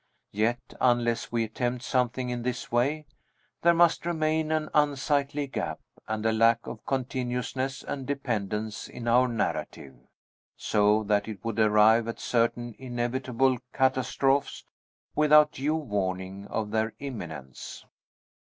Yet unless we attempt something in this way, there must remain an unsightly gap, and a lack of continuousness and dependence in our narrative; so that it would arrive at certain inevitable catastrophes without due warning of their imminence.